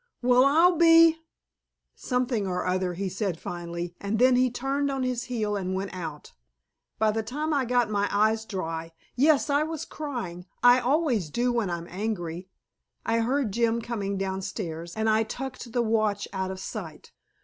"Well, I'll be " something or other, he said finally, and then he turned on his heel and went out. By the time I got my eyes dry (yes, I was crying; I always do when I am angry) I heard Jim coming downstairs, and I tucked the watch out of sight.